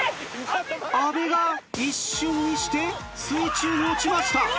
阿部が一瞬にして水中に落ちました。